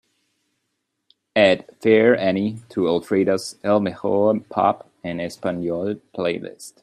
Add Fair Annie to alfreda's El Mejor Pop en Español playlist